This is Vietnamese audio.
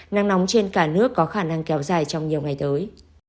nắng nóng trên cả nước có khả năng kéo dài trong nhiều ngày tới